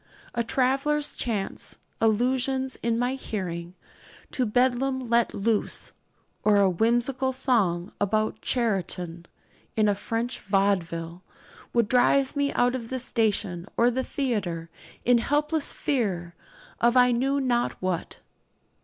A traveller's chance allusion in my hearing to 'Bedlam let loose,' or a whimsical song about 'Charenton' in a French vaudeville, would drive me out of the station or the theatre in helpless fear of I knew not what.